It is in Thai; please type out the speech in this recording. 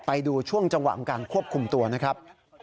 ไปดูช่วงจังหวะของการควบคุมตัวนะครับ